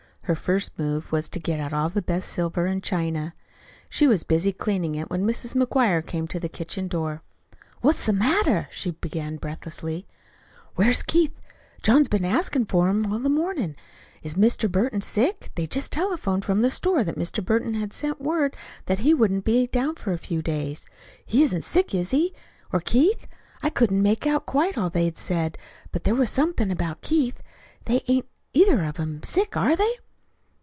Her first move was to get out all the best silver and china. She was busy cleaning it when Mrs. McGuire came in at the kitchen door. "What's the matter?" she began breathlessly. "Where's Keith? John's been askin' for him all the mornin'. Is Mr. Burton sick? They just telephoned from the store that Mr. Burton had sent word that he wouldn't be down for a few days. He isn't sick, is he? or Keith? I couldn't make out quite all they said; but there was somethin' about Keith. They ain't either of 'em sick, are they?"